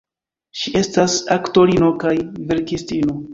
Ŝi estas aktorino kaj verkistino.